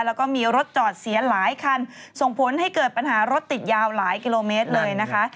แล้วก็มีรถจอดเสียหลายคันส่งผลให้เกิดปัญหารถติดยาวหลายกิโลเมตรเลยนะคะ